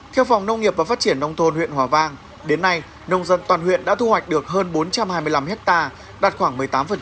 theo phòng nông nghiệp và phát triển nông thôn huyện hòa vang đến nay nông dân toàn huyện đã thu hoạch được hơn bốn trăm hai mươi năm hectare đạt khoảng một mươi tám